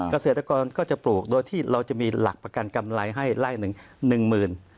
เกษตรกรก็จะปลูกโดยที่เราจะมีหลักประกันกำไรให้ไล่หนึ่งหนึ่งหมื่น